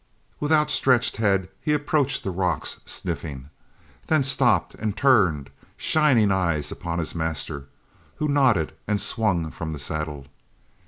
With outstretched head he approached the rocks, sniffing, then stopped and turned shining eyes upon his master, who nodded and swung from the saddle.